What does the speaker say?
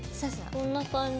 こんな感じ？